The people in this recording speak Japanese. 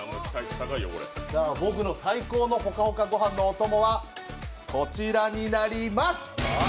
僕の最高のホカホカご飯のお供はこちらになります。